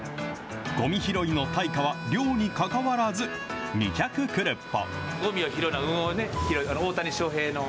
ごみ拾いの対価は量に関わらず、２００クルッポ。